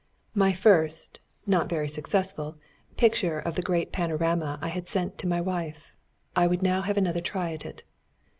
My first, not very successful, picture of the great panorama I had sent to my wife. I would now have another try at it.